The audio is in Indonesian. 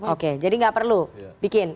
oke jadi nggak perlu bikin